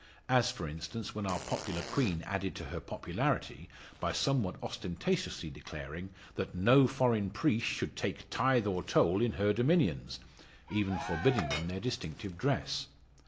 As for instance, when our popular Queen added to her popularity, by somewhat ostentatiously declaring, that "no foreign priest should take tithe or toll in her dominions," even forbidding them their distinctive dress.